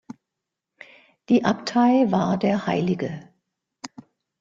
Die Abtei war der hl.